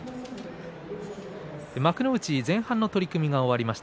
幕内前半の取組が終わりました。